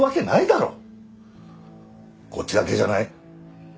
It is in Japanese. こっちだけじゃない。